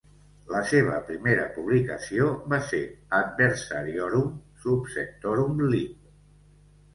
La seva primera publicació va ser Adversariorum subsectorum lib.